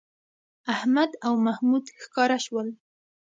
احمد او محمود ښکاره شول